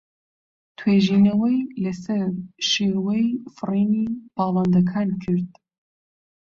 توێژینەوەی لەسەر شێوەی فڕینی باڵندەکان کرد.